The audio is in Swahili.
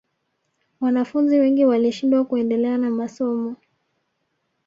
wanafunzi wengi walishindwa kuendelea na masomo